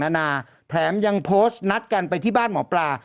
นานาแถมยังโพสต์นัดกันไปที่บ้านหมอปลา